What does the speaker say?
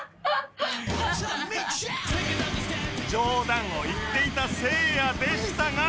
冗談を言っていたせいやでしたが